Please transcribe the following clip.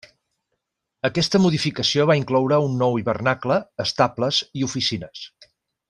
Aquesta modificació va incloure un nou hivernacle, estables i oficines.